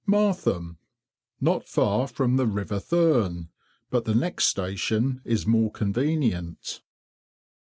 MARTHAM. Not far from the river Thurne, but the next station is more convenient.